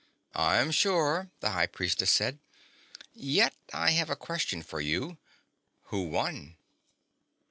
"I'm sure," the High Priestess said. "Yet I have a question for you. Who won?"